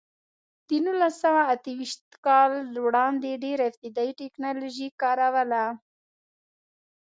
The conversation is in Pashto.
د نولس سوه اته ویشت کال وړاندې ډېره ابتدايي ټکنالوژي کار وله.